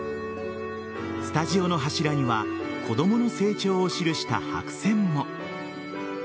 スタジオの柱には子供の成長を記した白線も。